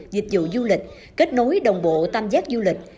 dịch vụ du lịch kết nối đồng bộ tam giác du lịch